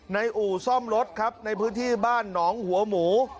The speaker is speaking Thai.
อู่ซ่อมรถครับในพื้นที่บ้านหนองหัวหมู